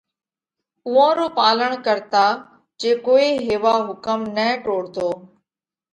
اُوئون رو پالڻ ڪرتا جي ڪوئي ھيوا حُڪم نئہ ٽوڙتو